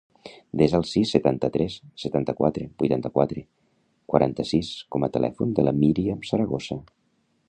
Desa el sis, setanta-tres, setanta-quatre, vuitanta-quatre, quaranta-sis com a telèfon de la Míriam Zaragoza.